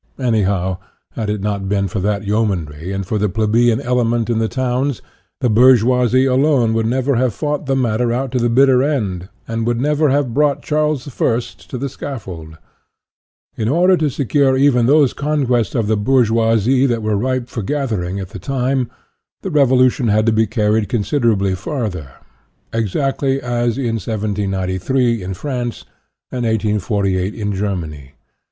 Anyhow, had it not been for that yeomanry and for the plebeian element in the towns, the bourgeoisie alone would never have fought the matter out to the bitter end, and would never have brought Charles I. to the scaffold. In order to secure even those conquests of the bour geoisie that were ripe for gathering at the time > 28 INTRODUCTION the revolution had to be carried considerably further exactly as in 1793 in France and 1848 in Germany.